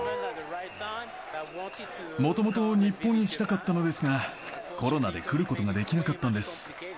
もともと日本に来たかったのですが、コロナで来ることができなかったんです。